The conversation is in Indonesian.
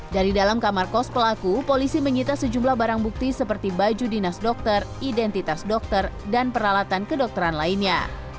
dari dalam kamar kos pelaku polisi menyita sejumlah barang bukti seperti baju dinas dokter identitas dokter dan peralatan kedokteran lainnya